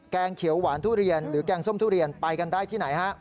งเขียวหวานทุเรียนหรือแกงส้มทุเรียนไปกันได้ที่ไหนฮะ